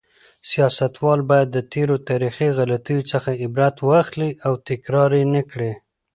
سیاستوال باید د تېرو تاریخي غلطیو څخه عبرت واخلي او تکرار یې نکړي.